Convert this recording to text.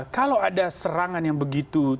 kalau ada serangan yang begitu